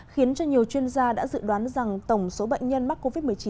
khiến cho nhiều chuyên gia đã dự đoán rằng tổng số bệnh nhân mắc covid một mươi chín